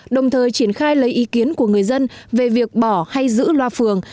đồng thời triển khai lấy ý kiến của người dân về việc bỏ hay giữ loa phường